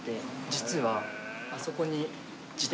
実はあそこに。